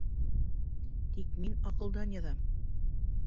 Тик мин аҡылдан яҙам.